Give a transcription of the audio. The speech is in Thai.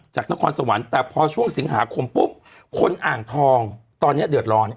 นครสวรรค์แต่พอช่วงสิงหาคมปุ๊บคนอ่างทองตอนนี้เดือดร้อน